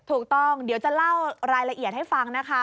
ถูกต้องเดี๋ยวจะเล่ารายละเอียดให้ฟังนะคะ